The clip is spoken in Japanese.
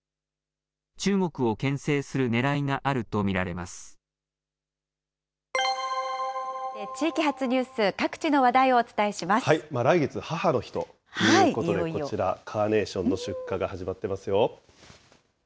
中国をけん制するねらいがあると地域発ニュース、来月、母の日ということで、こちら、カーネーションの出荷が始まってますよ。